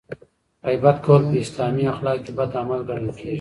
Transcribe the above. غیبت کول په اسلامي اخلاقو کې بد عمل ګڼل کیږي.